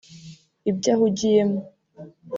ibyo ahugiyemo